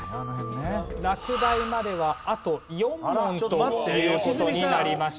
落第まではあと４問という事になりました。